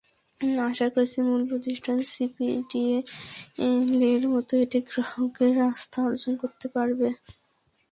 আশা করছি মূল প্রতিষ্ঠান সিপিডিএলের মতোই এটি গ্রাহকের আস্থা অর্জন করতে পারবে।